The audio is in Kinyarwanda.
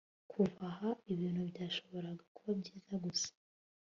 kuva aha, ibintu byashoboraga kuba byiza gusa